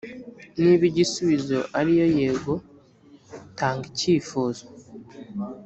niba igisubizo ari yego tanga icyifuzo